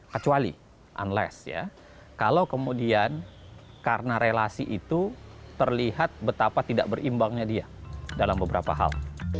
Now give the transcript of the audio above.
kecuali unless ya kalau kemudian karena relasi itu terlihat betapa tidak berimbangnya dia dalam beberapa hal